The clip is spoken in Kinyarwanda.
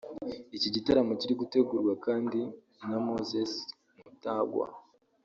Iki gitaramo kiri gutegurwa kandi na Moses Mutagwa